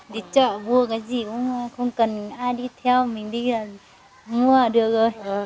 đi chợ vua cái gì cũng không cần ai đi theo mình đi là vua là được rồi